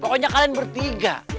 pokoknya kalian bertiga